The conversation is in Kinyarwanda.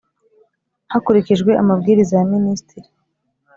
hakurikijwe amabwiriza ya Minisitiri